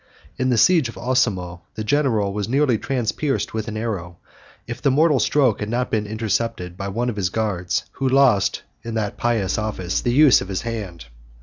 In the siege of Osimo, the general was nearly transpierced with an arrow, if the mortal stroke had not been intercepted by one of his guards, who lost, in that pious office, the use of his hand.